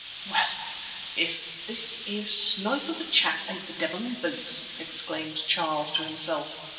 "Well, if this here snipe of a chap ain't the devil in boots!" exclaimed Charles to himself.